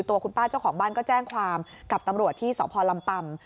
ตัวคุณป้าเจ้าของบ้านก็แจ้งความกับตำรวจที่สพลำปำ